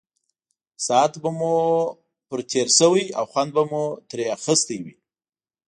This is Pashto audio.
ساعت به مو پرې تېر شوی او خوند به مو ترې اخیستی وي.